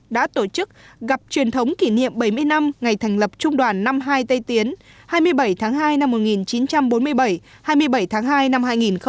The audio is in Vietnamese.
đã tổ chức gặp truyền thống kỷ niệm bảy mươi năm ngày thành lập trung đoàn năm mươi hai tây tiến hai mươi bảy tháng hai năm một nghìn chín trăm bốn mươi bảy hai mươi bảy tháng hai năm hai nghìn một mươi chín